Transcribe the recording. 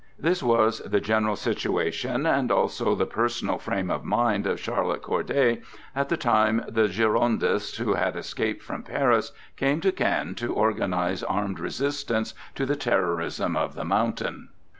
This was the general situation and also the personal frame of mind of Charlotte Corday at the time the Girondists who had escaped from Paris came to Caen to organize armed resistance to the terrorism of the "Mountain."